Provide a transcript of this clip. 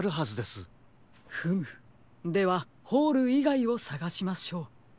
フムではホールいがいをさがしましょう。